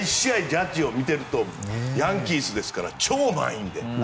ジャッジを見ているとヤンキースですから超満員で。